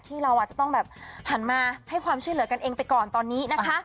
เราอาจจะต้องแบบหันมาให้ความช่วยเหลือกันเองไปก่อนตอนนี้นะคะ